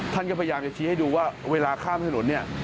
ท่านก็พยายามจะชี้ให้ดูว่าเวลาข้ามถนนเนี่ย